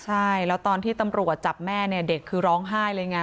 ใช่แล้วตอนที่ตำรวจจับแม่เนี่ยเด็กคือร้องไห้เลยไง